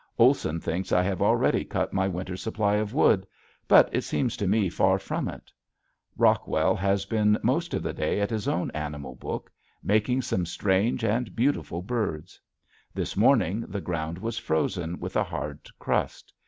Olson thinks I have already cut my winter's supply of wood but it seems to me far from it. Rockwell has been most of the day at his own animal book, making some strange and beautiful birds. This morning the ground was frozen with a hard crust.